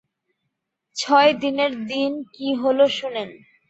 ছয় দিনের দিন কি হল শুনেন।